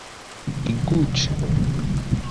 Iguǧǧ.